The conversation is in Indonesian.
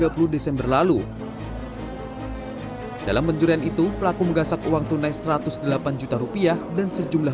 bulan yang berlalu dalam pencurian itu pelaku menggasak uang tunai satu ratus delapan juta rupiah dan sejumlah